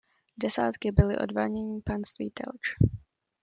Desátky byly odváděny panství Telč.